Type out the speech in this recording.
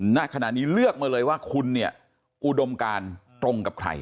ณขณะนี้เลือกมาเลยว่าคุณเนี่ยอุดมการตรงกับใคร